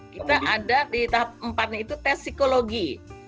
kita ada di tahap empat nya itu tes psikologi